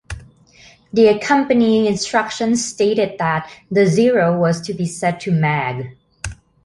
The accompanying instructions stated that the zero was to be set to Mag.